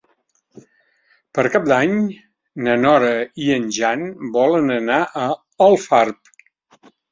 Per Cap d'Any na Nora i en Jan volen anar a Alfarb.